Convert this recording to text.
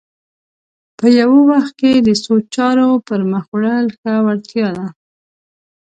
په یوه وخت کې د څو چارو پر مخ وړل ښه وړتیا ده